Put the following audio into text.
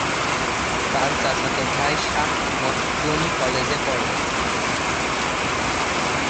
তার চাচাতো ভাই শাহ মখদুম কলেজে পড়ে।